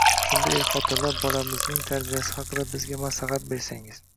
Shunda er-xotinlar «Bolamizning tarbiyasi haqida bizga maslahat bersangiz